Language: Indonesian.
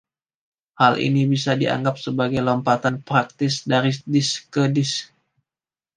Hal ini bisa dianggap sebagai lompatan praktis dari disk ke disk.